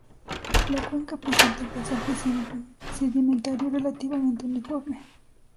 La cuenca presenta un paisaje sedimentario relativamente uniforme.